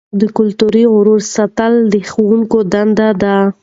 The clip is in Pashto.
د کلتوري غرور ساتل د ښوونکي دنده ده.